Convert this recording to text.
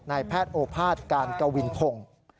ในแพทย์โอภาษณ์การกวิ่นคง